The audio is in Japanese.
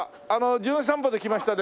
『じゅん散歩』で来ましたね